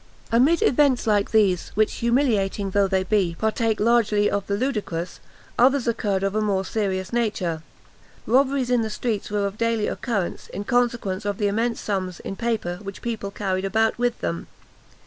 Amid events like these, which, humiliating though they be, partake largely of the ludicrous, others occurred of a more serious nature. Robberies in the streets were of daily occurrence, in consequence of the immense sums, in paper, which people carried about with them.